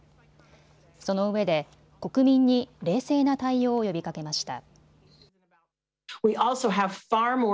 そのうえで国民に冷静な対応を呼びかけました。